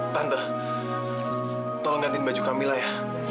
tante tolong liatin baju kamila ya